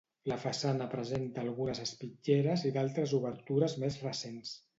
La façana presenta algunes espitlleres i d'altres obertures més recents.